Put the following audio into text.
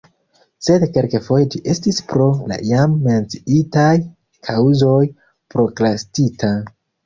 Sed kelkfoje ĝi estis pro la jam menciitaj kaŭzoj prokrastita.